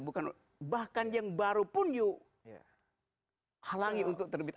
bahkan yang baru pun halangi untuk terbit